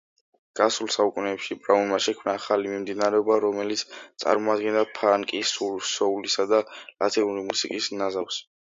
გასულ საუკუნეში ბრაუნმა შექმნა ახალი მიმდინარეობა, რომელიც წარმოადგენდა ფანკის, სოულისა და ლათინური მუსიკის ნაზავს.